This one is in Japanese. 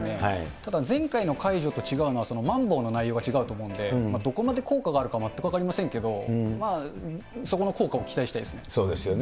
ただ、前回の解除と違うのは、まん防の内容が違うと思うんで、どこまで効果があるか全く分かりませんけど、そこの効果も期待したいですね。